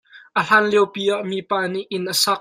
A hlanlio pi ah, mipa nih inn a sak.